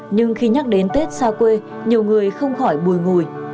nhưng khi nhắc đến tết xa quê nhiều người không khỏi bùi ngùi